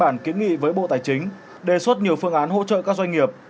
bản kiến nghị với bộ tài chính đề xuất nhiều phương án hỗ trợ các doanh nghiệp